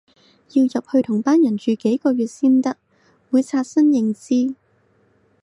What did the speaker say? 要入去同班人住幾個月先得，會刷新認知